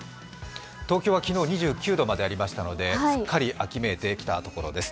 東京は昨日２９度までありましたので、すっかり秋めいてきたところです。